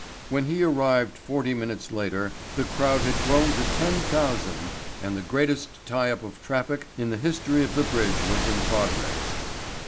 When he arrived forty minutes later; the crowd had grown to ten thousand and the greatest tie up of traffic in the history of the bridge was in progress.